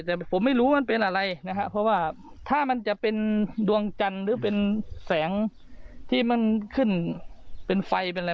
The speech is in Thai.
แต่ผมไม่รู้มันเป็นอะไรนะฮะเพราะว่าถ้ามันจะเป็นดวงจันทร์หรือเป็นแสงที่มันขึ้นเป็นไฟเป็นอะไร